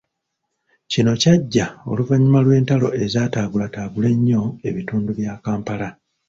Kino kyajja oluvanyuma lw'entalo ezataagulataagula ennyo ebitundu bya Kampala.